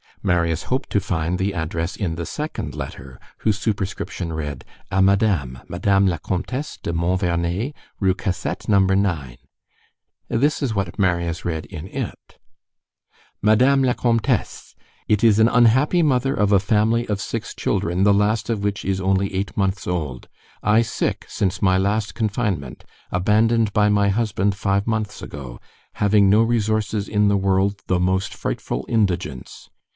Marius hoped to find the address in the second letter, whose superscription read: À Madame, Madame la Comtesse de Montvernet, Rue Cassette, No. 9. This is what Marius read in it:— MADAME LA COMTESSE: It is an unhappy mother of a family of six children the last of which is only eight months old. I sick since my last confinement, abandoned by my husband five months ago, haveing no resources in the world the most frightful indigance.